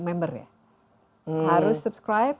member ya harus subscribe